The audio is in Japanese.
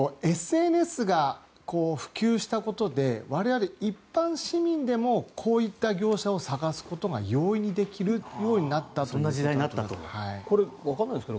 ＳＮＳが普及したことで我々、一般市民でもこういった業者を探すことが容易にできるようになったということです。